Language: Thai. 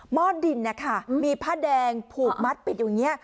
ห้อดินนะคะมีผ้าแดงผูกมัดปิดอยู่อย่างนี้